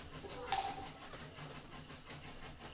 引用日语原文